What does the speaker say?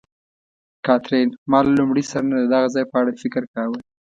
کاترین: ما له لومړي سر نه د دغه ځای په اړه فکر کاوه.